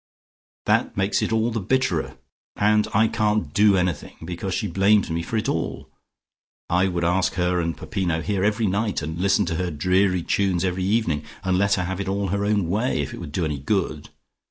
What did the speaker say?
"That makes it all the bitterer. And I can't do anything, because she blames me for it all. I would ask her and her Peppino here every night, and listen to her dreary tunes every evening, and let her have it all her own way, if it would do any good.